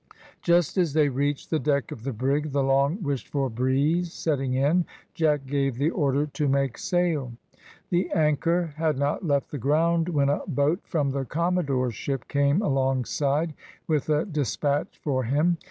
Just as they reached the deck of the brig, the long wished for breeze setting in, Jack gave the order to make sail. The anchor had not left the ground, when a boat from the commodore's ship came alongside, with a despatch for him.